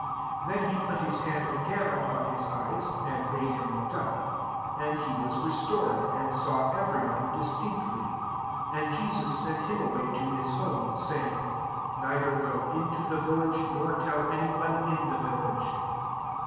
25 Then he put hie hand again upon his eyes, [and made him look up :] and he was restored, and saw every one distinctly. 26 And Jesus sent him away to his home, saying, " Neither go in to the village, nor tell any one in the village."